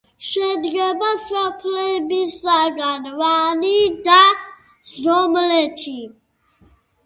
შედგება სოფლებისგან: ვანი და ზომლეთი.